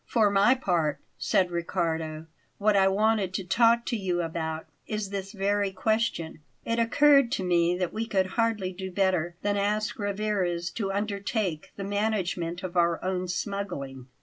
"For my part," said Riccardo; "what I wanted to talk to you about is this very question. It occurred to me that we could hardly do better than ask Rivarez to undertake the management of our own smuggling.